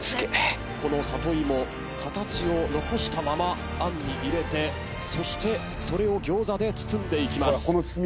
この里芋形を残したままあんに入れてそしてそれを餃子で包んでいきます。